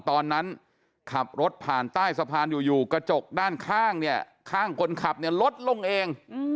ตอนนั้นขับรถผ่านใต้สะพานอยู่กระจกด้านข้างเนี่ยข้างคนขับเนี่ยลดลงเอง